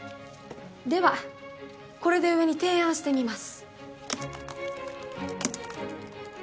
ではこれで上に提案してみます。